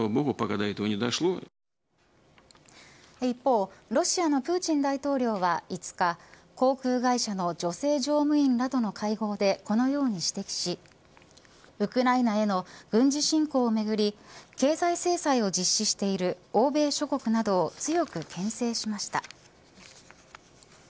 一方、ロシアのプーチン大統領は５日、航空会社の女性乗務員らとの会合でこのように指摘しウクライナへの軍事侵攻をめぐり経済制裁を実施している欧米諸国などを強く、けん制しました。